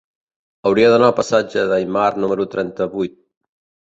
Hauria d'anar al passatge d'Aymar número trenta-vuit.